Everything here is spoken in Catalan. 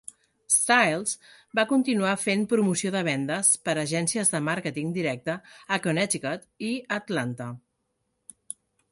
Styles va continuar fent promoció de vendes per a agències de màrqueting directe a Connecticut i a Atlanta.